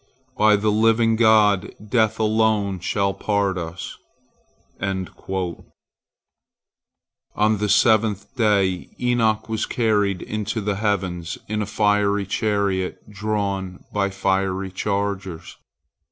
By the living God, death alone shall part us." On the seventh day Enoch was carried into the heavens in a fiery chariot drawn by fiery chargers.